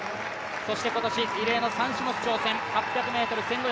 そして今年、異例の３種目挑戦、８００ｍ、１５００ｍ、５０００ｍ。